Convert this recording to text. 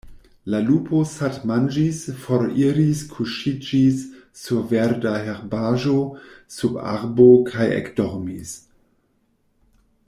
La lupo satmanĝis, foriris, kuŝiĝis sur verda herbaĵo sub arbo kaj ekdormis.